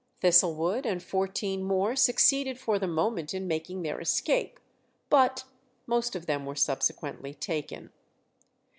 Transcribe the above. Thistlewood and fourteen more succeeded for the moment in making their escape, but most of them were subsequently taken.